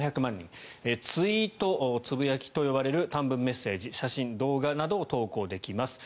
ツイート、つぶやきと呼ばれる短文メッセージ写真・動画などを投稿できます。